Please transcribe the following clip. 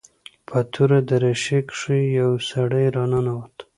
په توره دريشي کښې يو سړى راننوت.